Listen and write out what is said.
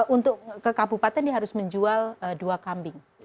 untuk ke kabupaten dia harus menjual dua kambing